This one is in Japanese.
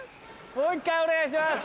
もう一回お願いします。